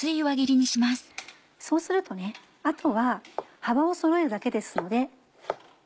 そうするとあとは幅をそろえるだけですので。